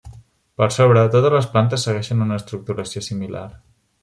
Per sobre, totes les plantes segueixen una estructuració similar.